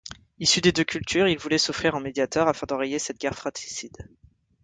Issus des deux cultures, ils voulaient s'offrir en médiateur afin d'enrayer cette guerre fratricide.